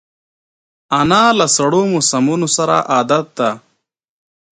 انا له سړو موسمونو سره عادت ده